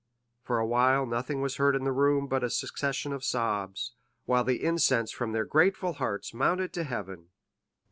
For a while nothing was heard in the room but a succession of sobs, while the incense from their grateful hearts mounted to heaven.